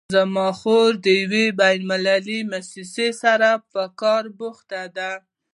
زما خور د یوې بین المللي مؤسسې سره په کار بوخته ده